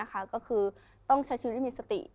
ก็คือต้องใช้ชีวิต